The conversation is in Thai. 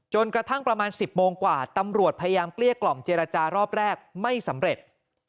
กระทั่งประมาณ๑๐โมงกว่าตำรวจพยายามเกลี้ยกล่อมเจรจารอบแรกไม่สำเร็จ